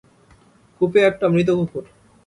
কূপে একটা মৃত কুকুর!